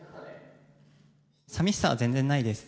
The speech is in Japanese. さみしさは全然ないです。